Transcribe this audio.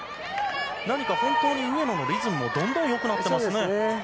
何か上野のリズムがどんどん良くなってますね。